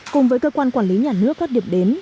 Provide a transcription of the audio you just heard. cùng với cơ quan quản lý nhà nước các điểm đến